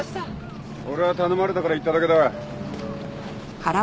俺は頼まれたから行っただけだ。